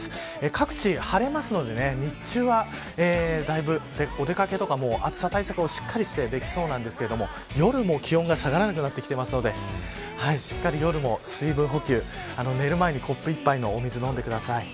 各地、晴れますので日中はだいぶお出掛けとかも暑さ対策をしっかりしてできそうですが夜も気温が下がらなくなってきますのでしっかり夜も水分補給寝る前にコップ１杯の水を飲んでください。